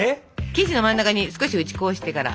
生地の真ん中に少し打ち粉をしてから。